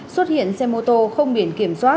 xuất hiện xe mô tô không biển kiểm soát